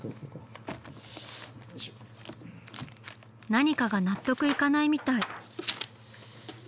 何かが納得いかないみたい。